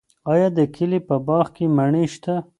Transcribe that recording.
آیا د کلي په باغ کې مڼې شته؟